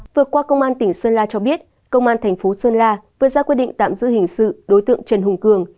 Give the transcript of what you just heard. vừa qua công an tỉnh sơn la cho biết công an thành phố sơn la vừa ra quyết định tạm giữ hình sự đối tượng trần hùng cường